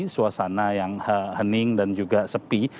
suasana yang hening dan juga sepi